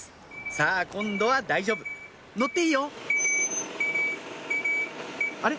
さぁ今度は大丈夫乗っていいよあれ？